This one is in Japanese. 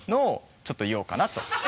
ちょっと言おうかなと。